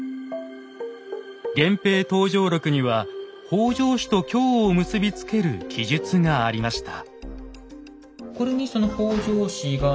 「源平闘諍録」には北条氏と京を結び付ける記述がありました。